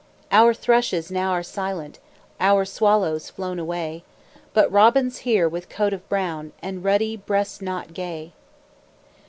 Our thrushes now are silent, Our swallows flown away But Robin's here with coat of brown, And ruddy breast knot gay.